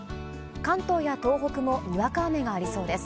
関東や東北もにわか雨がありそうです。